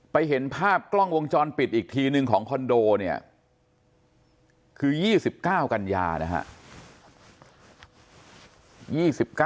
เห็นภาพกล้องวงจรปิดอีกทีนึงของคอนโดเนี่ยคือ๒๙กันยานะฮะ